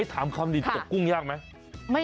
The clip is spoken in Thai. ถามคำนี้ตกกุ้งยากไหม